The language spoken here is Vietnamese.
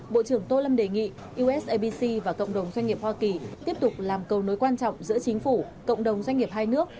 bộ trưởng tô lâm đề nghị usabc và cộng đồng doanh nghiệp hoa kỳ tiếp tục làm cầu nối quan trọng giữa chính phủ cộng đồng doanh nghiệp hai nước